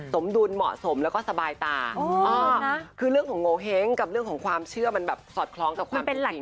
สมดุลเหมาะสมแล้วก็สบายตาคือเรื่องของโงเห้งกับเรื่องของความเชื่อมันแบบสอดคล้องกับความเป็นหลัก